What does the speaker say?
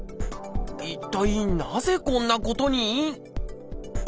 一体なぜこんなことに？